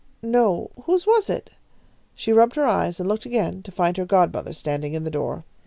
No, whose was it? She rubbed her eyes and looked again, to find her godmother standing in the door.